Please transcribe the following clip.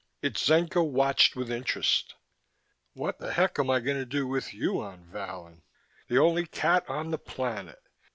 Itzenca watched with interest. "What the heck am I going to do with you on Vallon?" I asked her. "The only cat on the planet.